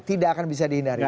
tidak akan bisa dihindari